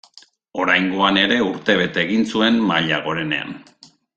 Oraingoan ere urtebete egin zuen maila gorenean.